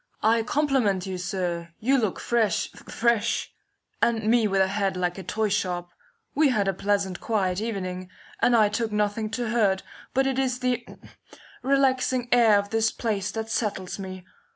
"I compliment you, sir! You look fresh, fresh, and me with a head like a toy shop. We had a pleasant, quiet evening, and I took nothing to hurt, but it is the relaxing air of this place that settles me.